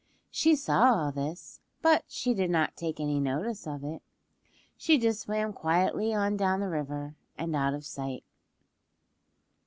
She saw all this, but she did not take any notice of it. She just swam quietly on down the river and out of sight.